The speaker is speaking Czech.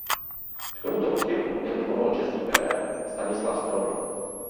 K tomuto úspěchu mu tehdy pomohl český trenér Stanislav Strobl.